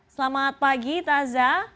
selamat pagi tazah